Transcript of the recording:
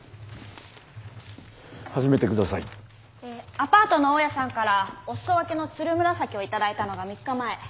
アパートの大家さんからお裾分けのつるむらさきを頂いたのが３日前。